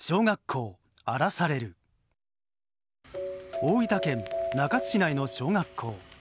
大分県中津市内の小学校。